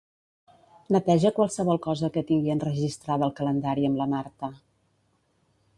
Neteja qualsevol cosa que tingui enregistrada al calendari amb la Marta.